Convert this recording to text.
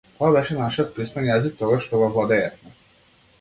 Тоа беше нашиот писмен јазик, тогаш што го владеевме.